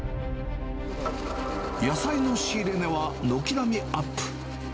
野菜の仕入れ値は軒並みアップ。